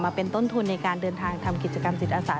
เป็นต้นทุนในการเดินทางทำกิจกรรมจิตอาสา